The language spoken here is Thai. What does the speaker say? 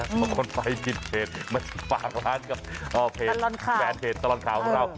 มันไปผิดเพจมันฝากร้านกับแฟนเพจตลอดข่าวของเรา